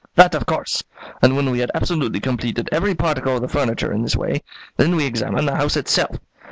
"That of course; and when we had absolutely completed every particle of the furniture in this way, then we examined the house itself.